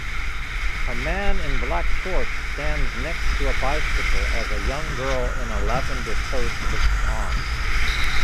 A man in black shorts stands next to a bicycle as a young girl in a lavender coat looks on